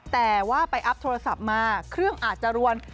แต่ว่าไปอัพโทรศัพท์มาเครื่องอาจจะรวน